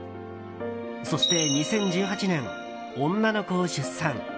そして２０１８年、女の子を出産。